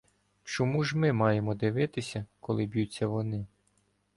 Чому ж ми маємо дивитися, коли б'ються вони?